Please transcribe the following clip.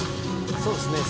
そうですね